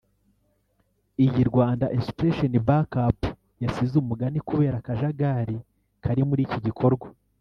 iyi Rwanda Inspiration Back Up yasize umugani kubera akajagari kari muri iki gikorwa